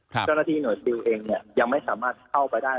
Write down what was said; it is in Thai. เจ้าหน้าที่หน่วยซิลเองเนี่ยยังไม่สามารถเข้าไปได้